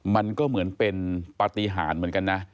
มันก็เหมือนเป็นปฏิหารเหมือนกันนะ